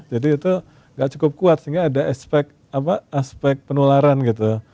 jadi itu gak cukup kuat sehingga ada aspek penularan gitu